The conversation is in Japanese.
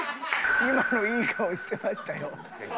今のいい顔してましたよ。